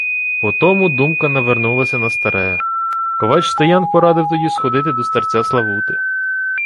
По тому думка навернулася на старе. Ковач Стоян порадив тоді сходити до старця Славути.